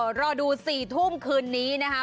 โหรอดูสี่ทุ่มคืนนี้นะฮะ